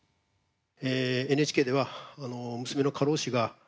ＮＨＫでは、娘の過労死が。